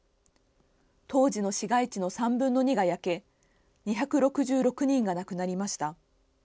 当時の市街地の３分の２が焼け２６６人が亡くなりました。